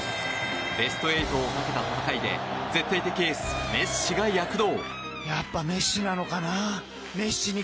ベスト８をかけた戦いで絶対的エース、メッシが躍動。